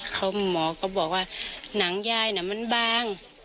เขาหมอก็บอกว่าหนังยายน่ะมันบาง